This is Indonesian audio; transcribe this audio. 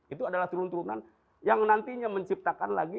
itu adalah turun turunan yang nantinya menciptakan lagi